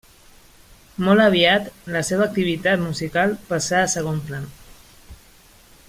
Molt aviat la seva activitat musical passà a segon pla.